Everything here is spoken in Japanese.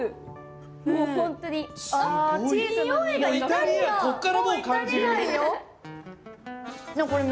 もうイタリアンこっからもう感じる。